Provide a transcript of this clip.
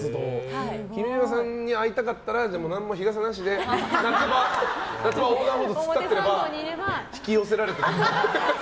君島さんに会いたかったら何も日傘なしで夏場横断歩道に突っ立ってれば引き寄せられてくる。